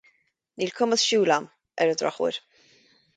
Níl cumas siúil agam, ar an drochuair.